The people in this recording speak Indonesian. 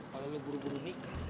palingnya buru buru nikah